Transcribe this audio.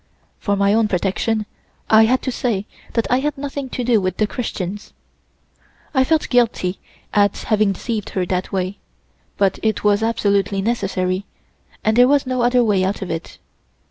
For my own protection I had to say that I had nothing to do with the Christians. I felt guilty at having deceived her that way, but it was absolutely necessary, and there was no other way out of it.